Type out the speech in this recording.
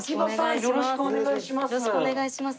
よろしくお願いします。